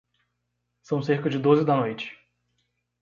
São cerca de doze da noite.